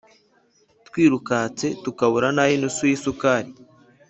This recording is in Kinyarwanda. twirukatse tukabura nayinusu y’isukari